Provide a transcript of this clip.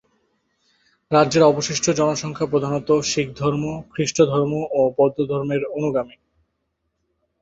রাজ্যের অবশিষ্ট জনসংখ্যা প্রধানত শিখধর্ম, খ্রিস্টধর্ম ও বৌদ্ধধর্মের অনুগামী।